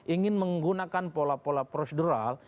ingin menggunakan pola pola prosedural